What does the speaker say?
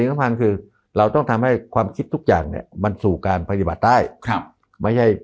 นั่นคือหลักการทำงานของผม